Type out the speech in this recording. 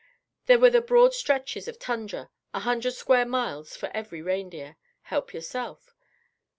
There were the broad stretches of tundra, a hundred square miles for every reindeer. Help yourself.